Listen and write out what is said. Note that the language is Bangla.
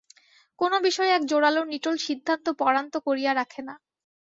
কোনো বিষয়ে এক জোরালো নিটোল সিদ্ধান্ত পরান তো করিয়া রাখে না।